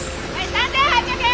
３，８００円！